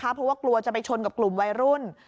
เพราะว่ากลัวจะไปชนกับกลุ่มวัยรุ่น